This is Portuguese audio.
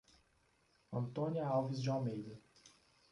Antônia Alves de Almeida